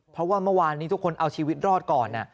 เพราะว่าเมื่อวานนี้ทุกคนเอาชีวิตรอดก่อน